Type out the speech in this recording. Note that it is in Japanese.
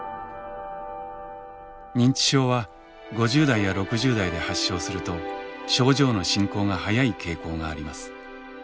認知症は５０代や６０代で発症すると症状の進行が早い傾向があります。